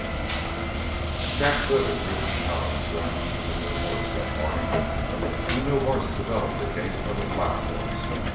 CHAPTER 20 Jack Hood had ridden out on his rounds with a new horse that morning, and the new horse developed the gait of a plow horse.